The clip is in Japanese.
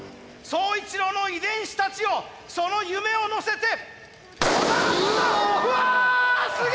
宗一郎の遺伝子たちよその夢を乗せて。